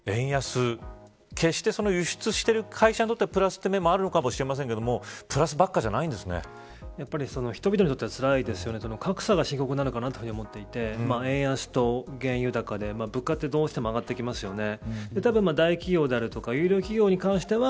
古市さん、円安、決して輸出している会社にとってはプラスという面もあるかもしれませんがやっぱり人々にとってはつらいですね、格差が深刻になると思っていて、円安と原油高で物価って、どうしても上がってきますよね。